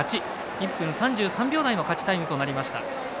１分３３秒台の勝ちタイムとなりました。